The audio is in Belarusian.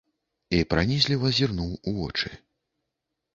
І пранізліва зірнуў у вочы.